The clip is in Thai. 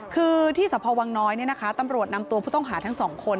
คือที่สพวังน้อยตำรวจนำตัวผู้ต้องหาทั้งสองคน